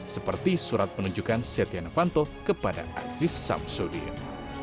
seperti surat penunjukan setia novanto kepada aziz samsudin